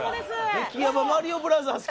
激やばマリオブラザーズ来た。